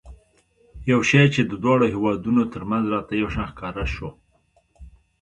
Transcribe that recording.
یو شی چې د دواړو هېوادونو ترمنځ راته یو شان ښکاره شو.